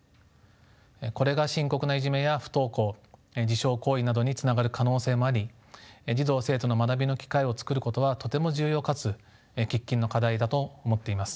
これが深刻ないじめや不登校自傷行為などにつながる可能性もあり児童・生徒の学びの機会を作ることはとても重要かつ喫緊の課題だと思っています。